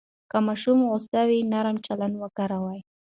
که ماشوم غوسه وي، نرم چلند وکاروئ.